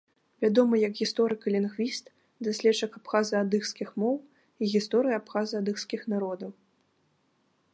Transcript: Вядомы як гісторык і лінгвіст, даследчык абхаза-адыгскіх моў і гісторыі абхаза-адыгскіх народаў.